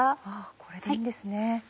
これでいいんですね。